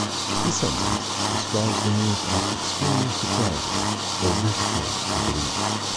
This sentence describes the news as extremely surprising or difficult to believe.